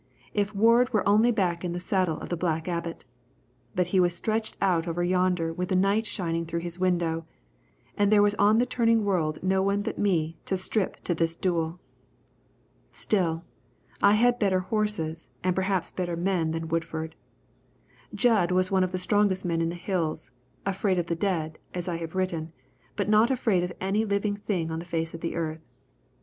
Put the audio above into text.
If Ward were only back in the saddle of the Black Abbot! But he was stretched out over yonder with the night shining through his window, and there was on the turning world no one but me to strip to this duel. Still, I had better horses, and perhaps better men than Woodford. Jud was one of the strongest men in the Hills, afraid of the dead, as I have written, but not afraid of any living thing on the face of the earth.